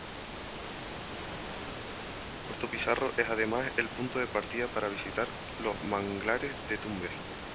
Puerto Pizarro es además el punto de partida para visitar los Manglares de Tumbes.